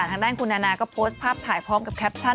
ทางด้านคุณนานาก็โพสต์ภาพถ่ายพร้อมกับแคปชั่น